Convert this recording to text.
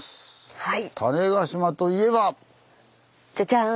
はい。